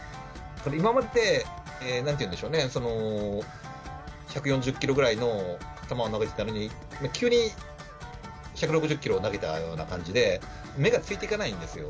今まで、なんて言うんでしょうね、１４０キロぐらいの球を投げていたのに、急に１６０キロを投げたような感じで、目がついていかないんですよ。